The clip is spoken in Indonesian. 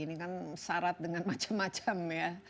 ini kan syarat dengan macam macam ya